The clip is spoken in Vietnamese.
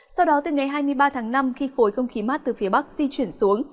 sau đó từ ngày hai mươi ba tháng năm khi khối không khí mát từ phía bắc di chuyển xuống